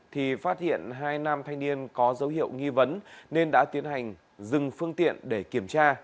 thì phát hiện hai nam thanh niên có dấu hiệu nghi vấn nên đã tiến hành dừng phương tiện để kiểm tra